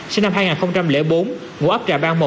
sinh năm hai nghìn bốn ngũ ấp trà bang một